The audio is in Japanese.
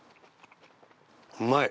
うまい。